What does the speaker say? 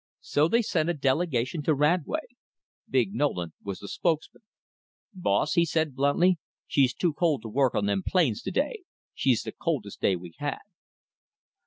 So they sent a delegation to Radway. Big Nolan was the spokesman. "Boss," said he bluntly, "she's too cold to work on them plains to day. She's the coldest day we had."